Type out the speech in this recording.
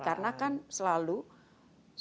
ya kan peningkatan sejahtera